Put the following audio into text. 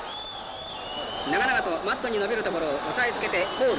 長々とマットにのびるところを押さえつけてフォール。